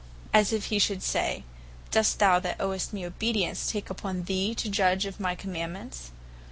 as if he should say, doest thou that owest me obedience, take upon thee to judge of my Commandements?